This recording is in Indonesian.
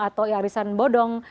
atau ya arisan bodong